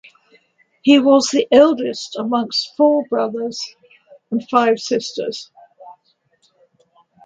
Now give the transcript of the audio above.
He was the eldest among four brothers and five sisters.